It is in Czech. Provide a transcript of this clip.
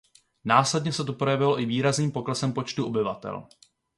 Následně se to projevilo i výrazným poklesem počtu obyvatel.